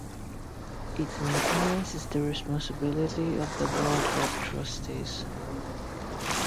Its maintenance is the responsibility of the Board of Trustees.